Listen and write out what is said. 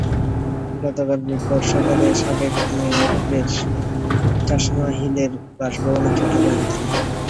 গতকাল রোববার সকালে সাবেক মেয়রের চশমা হিলের বাসভবনে ছুটে যান তিনি।